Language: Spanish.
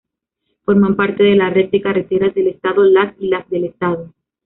Forman parte de la Red de Carreteras del Estado las y las del Estado.